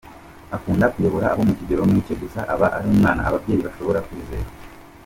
Akunda kuyobora abo mu kigero nk’icye gusa aba ari umwana ababyeyi bashobora kwizera.